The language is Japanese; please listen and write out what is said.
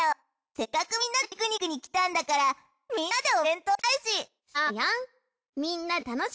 せっかくみんなでピクニックに来たんだからみんなでおべんとう食べたいし。